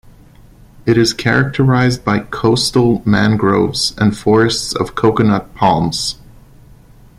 It is characterized by coastal mangroves and forests of coconut palms.